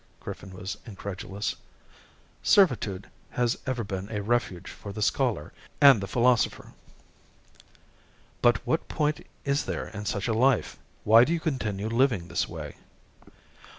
Griffin was incredulous. "Servitude has ever been a refuge for the scholar and the philosopher." "But what point is there in such a life? Why do you continue living this way?"